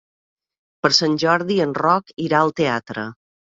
Per Sant Jordi en Roc irà al teatre.